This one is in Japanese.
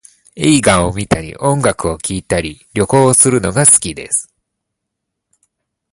映画を観たり音楽を聴いたり、旅行をするのが好きです